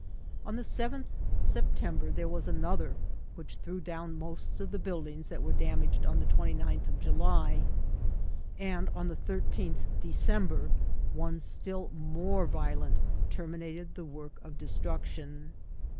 ..." On the 7th September there was another, which threw down most of the buildings that were damaged on the 29th of July; and on the 13th December, one still more violent terminated the work of destruction."